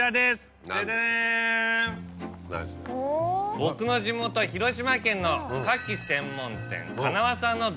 僕の地元広島県の牡蠣専門店。